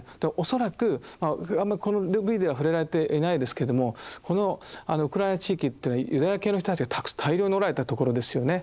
恐らくあんまり触れられていないですけれどもこのウクライナ地域というのはユダヤ系の人たちが大量におられたところですよね。